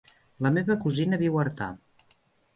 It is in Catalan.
La meva cosina viu a Artà.